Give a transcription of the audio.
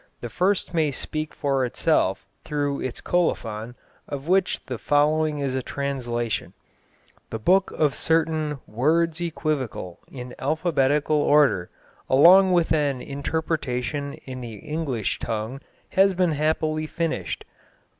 The first may speak for itself, through its colophon, of which the following is a translation: "The Book of certain 'Words Equivocal,' in alphabetical order, along with an interpretation in the English tongue, has been happily finished.